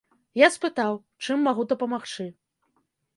Я спытаў, чым магу дапамагчы.